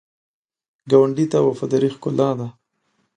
ګاونډي ته وفاداري ښکلا ده